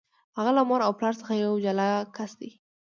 هغه له مور او پلار څخه یو جلا کس دی.